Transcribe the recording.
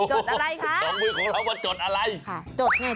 สองมือออกมาว่าจดอะไร